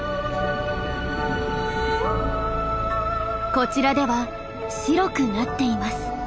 こちらでは白くなっています。